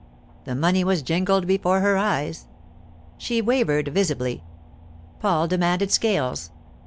—the money was jingled before her eyes. She wavered visibly. Paul demanded scales.